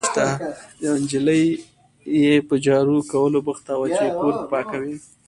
یوه نجلۍ یې په جارو کولو بوخته وه، چې کور پاکوي.